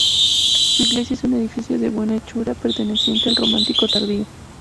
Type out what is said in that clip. Su iglesia es un edificio de buena hechura perteneciente al románico tardío.